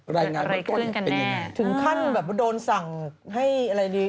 รายงานของต้นเป็นอย่างไร